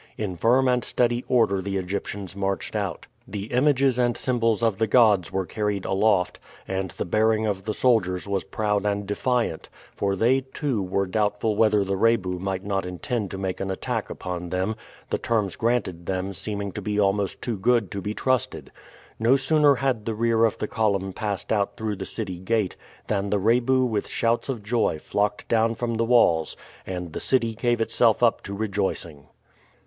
In firm and steady order the Egyptians marched out. The images and symbols of the gods were carried aloft, and the bearing of the soldiers was proud and defiant, for they, too, were doubtful whether the Rebu might not intend to make an attack upon them, the terms granted them seeming to be almost too good to be trusted. No sooner had the rear of the column passed out through the city gate than the Rebu with shouts of joy flocked down from the walls, and the city gave itself up to rejoicing.